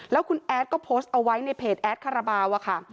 แล้วคุณแอ๊ดก็โพสต์เอาไว้ในเพจแอ๊ดขระเบา